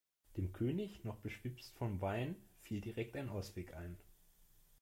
Dem König, noch beschwipst vom Wein, fiel direkt ein Ausweg ein.